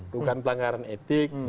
luka pelanggaran etik